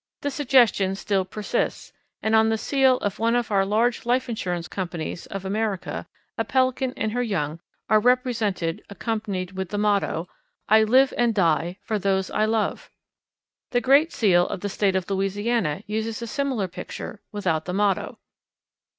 The suggestion still persists, and on the seal of one of our large life insurance companies of America a Pelican and her young are represented accompanied with the motto: "I live and die for those I love." The great seal of the State of Louisiana uses a similar picture without the motto.